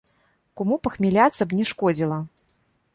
Куму пахмяліцца б не шкодзіла.